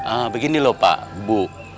ah begini lho pak bu